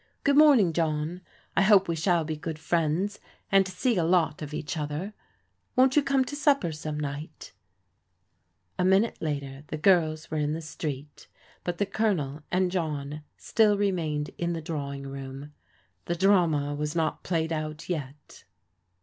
Good morning, John. I hope we shall be good friends, and see a lot of each other. Won't you come to supper some night ?" A minute later the girls were in the street, but the Colonel and John still remained in the drawing room. The drama was not played out yet.